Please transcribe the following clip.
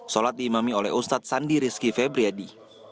sholat diimami oleh ustadz sandi rizki febriyadi